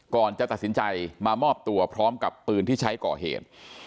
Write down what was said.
ก่อนจะตัดสินใจมามอบตัวพร้อมกับปืนที่ใช้ก่อเหตุ